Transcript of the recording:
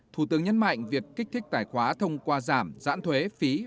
thủ tướng nhấn mạnh việc kích thích tài khoá thông qua giảm giãn thuế phí